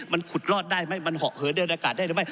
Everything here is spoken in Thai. มันขุดรอดได้ไหมมันเหอะเหินเดินอากาศได้หรือไม่